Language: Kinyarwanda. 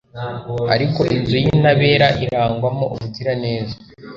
ariko inzu y’intabera irangwamo ubugiraneza